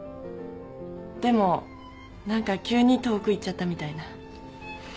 でも何か急に遠く行っちゃったみたいな。